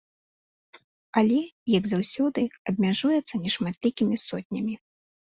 Але, як заўсёды, абмяжуецца нешматлікімі сотнямі.